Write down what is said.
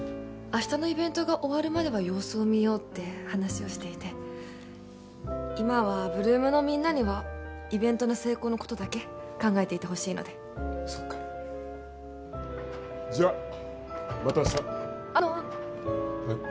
明日のイベントが終わるまでは様子をみようって話をしていて今は８ＬＯＯＭのみんなにはイベントの成功のことだけ考えていてほしいのでそっかじゃまた明日あのえっ？